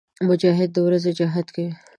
مجاهد د ورځې جهاد کوي.